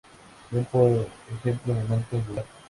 Ver por ejemplo momento angular.